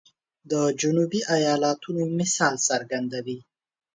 د جنوبي ایالاتونو مثال څرګندوي.